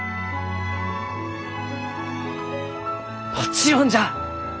もちろんじゃ！